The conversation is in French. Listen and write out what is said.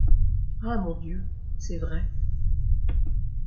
Ah ! mon Dieu ! c’est vrai !...